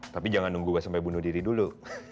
tapi jangan nunggu gue sampai bunuh diri dulu